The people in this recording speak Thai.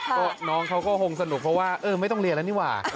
ก็น้องเขาก็คงสนุกเพราะว่าเออไม่ต้องเรียนแล้วนี่หว่า